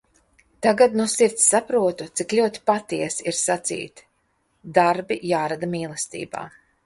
Tagad no sirds saprotu, cik ļoti patiesi ir sacīt – darbi jārada mīlestībā.